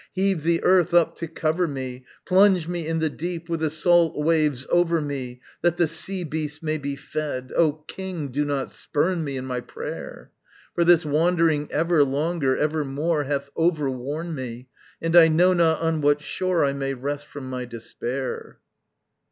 Heave the earth up to cover me! Plunge me in the deep, with the salt waves over me, That the sea beasts may be fed! O king, do not spurn me In my prayer! For this wandering everlonger, evermore, Hath overworn me, And I know not on what shore I may rest from my despair.